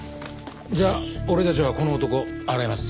じゃあ俺たちはこの男洗います。